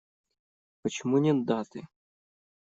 Почему нет даты?